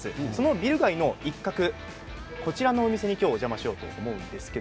ビル街の一角こちらのお店に今日お邪魔しようと思っています。